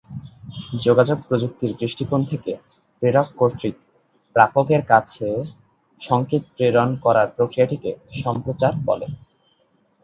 যোগাযোগ প্রযুক্তির দৃষ্টিকোণ থেকে প্রেরক কর্তৃক প্রাপকের কাছে সংকেত প্রেরণ করার প্রক্রিয়াটিকে সম্প্রচার বলে।